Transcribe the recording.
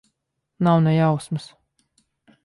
Nav ne jausmas.